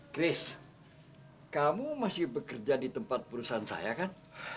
chris kamu masih bekerja di tempat perusahaan saya kan